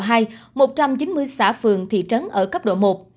một trăm chín mươi xã phường thị trấn ở cấp độ một